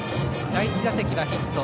第１打席はヒット。